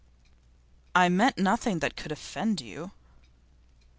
'I meant nothing that could offend you.